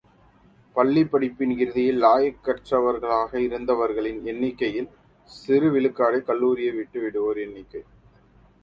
பள்ளிப் படிப்பின் இறுதியில் இலாயக்கற்றவர்களாக இருந்தவர்களின் எண்ணிக்கையில் சிறு விழுக்காடே கல்லூரியை விட்டுவிடுவோர் எண்ணிக்கை.